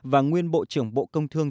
và nguyên bộ trưởng bộ công thương